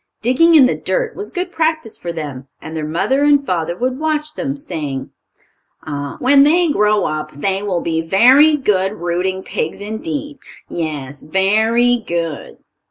Digging in the dirt was good practice for them, and their mother and father would watch them, saying: "Ah, when they grow up they will be very good rooting pigs indeed. Yes, very good!"